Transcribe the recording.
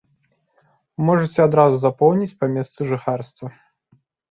Можаце адразу запоўніць па месцы жыхарства.